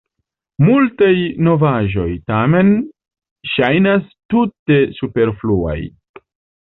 Multaj novaĵoj, tamen, ŝajnas tute superfluaj.